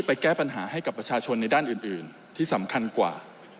แก้ปัญหาให้กับประชาชนในด้านอื่นที่สำคัญกว่า